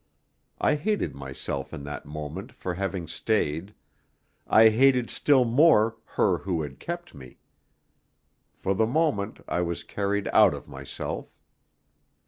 I hated myself in that moment for having stayed; I hated still more her who had kept me. For the moment I was carried out of myself.